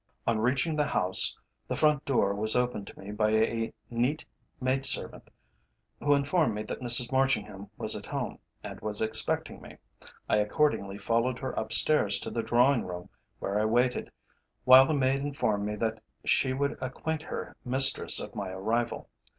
On reaching the house, the front door was opened to me by a neat maid servant, who informed me that Mrs Marchingham was at home, and was expecting me. I accordingly followed her upstairs to the drawing room where I waited, while the maid informed me that she would acquaint her mistress of my arrival.